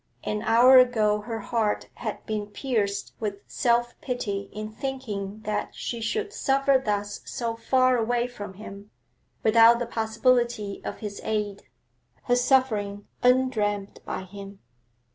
An hour ago her heart had been pierced with self pity in thinking that she should suffer thus so far away from him, without the possibility of his aid, her suffering undreamt by him.